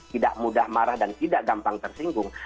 tidak mudah marah dan tidak gampang tersinggung